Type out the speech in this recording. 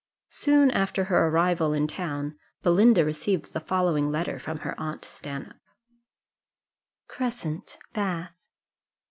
Soon after her arrival in town, Belinda received the following letter from her aunt Stanhope. "Crescent, Bath.